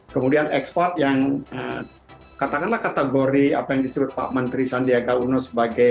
kemudian ekspor yang katakanlah kategori apa yang disebut pak menteri sandiaga uno sebagai